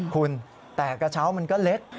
คุณแต่กระเช้ามันก็เล็ก